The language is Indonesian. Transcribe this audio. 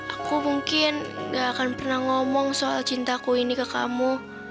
aku mungkin gak akan pernah ngomong soal cintaku ini ke kamu